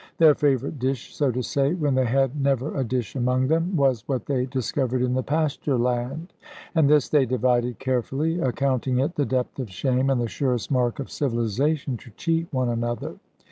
Their favourite dish so to say, when they had never a dish among them was what they discovered in the pasture land; and this they divided carefully; accounting it the depth of shame, and the surest mark of civilisation, to cheat one another.